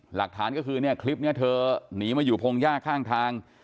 หลักฐานก็คือเนี่ยคลิปนี้เธอหนีมาอยู่พงหญ้าข้างทาง